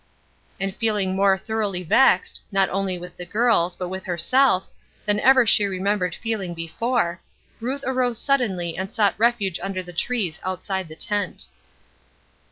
And feeling more thoroughly vexed, not only with the girls, but with herself, than ever she remembered feeling before, Ruth arose suddenly and sought refuge under the trees outside the tent.